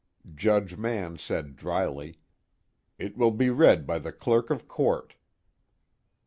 Judge Mann said drily: "It will be read by the clerk of court."